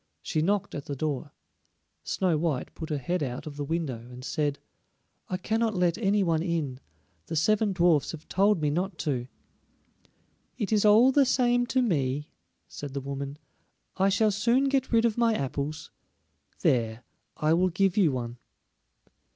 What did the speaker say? She knocked at the door. Snow white put her head out of the window and said: "I cannot let any one in; the seven dwarfs have told me not to." "It is all the same to me," said the woman. "I shall soon get rid of my apples. There, I will give you one."